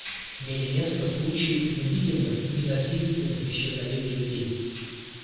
Имели место случаи принудительных и насильственных исчезновений людей.